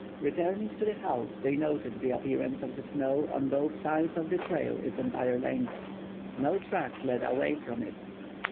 Returning to the house they noted the appearance of the snow on both sides of the trail its entire length. No tracks led away from it.